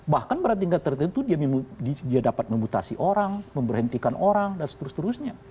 bahkan pada tingkat tertentu dia dapat memutasi orang memberhentikan orang dan seterusnya